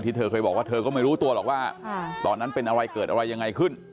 เธอเคยบอกว่าเธอก็ไม่รู้ตัวหรอกว่าตอนนั้นเป็นอะไรเกิดอะไรยังไงขึ้น